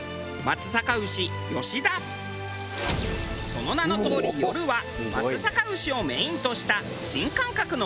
その名のとおり夜は松阪牛をメインとした新感覚のコース